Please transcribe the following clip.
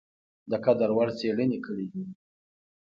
د قدر وړ څېړني کړي دي ۔